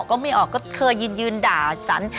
ก็เคยยืนด่าสัน